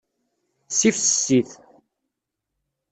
Ssifses-it.